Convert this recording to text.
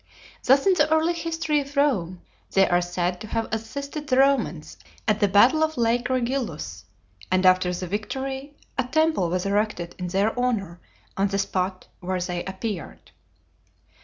Thus in the early history of Rome they are said to have assisted the Romans at the battle of Lake Regillus, and after the victory a temple was erected in their honor on the spot where they appeared.